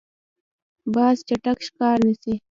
باز چټک ښکار نیسي.